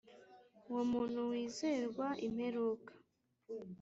uwo muntu wizerwa imperuka.